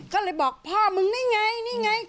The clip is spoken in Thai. ก็เลยบอกพ่อมึงนี่ไงนี่ไง